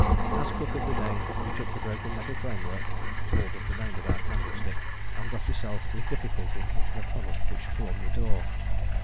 As cook of the day you took the broken metal framework, all that remained of our candlestick, and got yourself with difficulty into the funnel which formed the door.